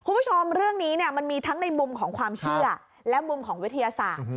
คุณผู้ชมเรื่องนี้เนี่ยมันมีทั้งในมุมของความเชื่อและมุมของวิทยาศาสตร์